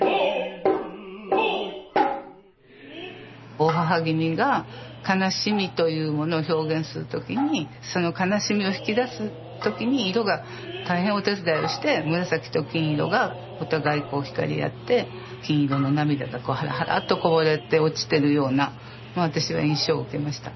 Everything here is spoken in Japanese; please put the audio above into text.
大妣君が悲しみというものを表現する時にその悲しみを引き出す時に色が大変お手伝いをして紫と金色がお互い光り合って金色の涙がはらはらとこぼれて落ちてるような私は印象を受けました。